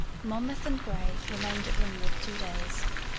Monmouth and Grey remained at Ringwood two days.